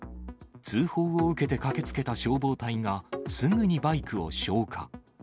通報を受けて駆けつけた消防隊が、すぐにバイクを消火。